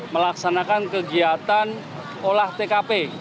melaksanakan kegiatan olah tkp